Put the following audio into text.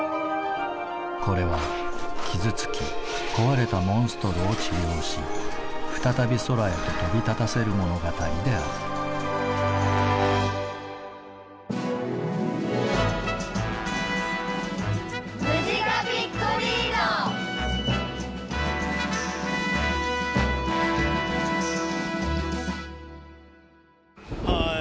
これは傷つき壊れたモンストロを治療し再び空へと飛び立たせる物語であるはい。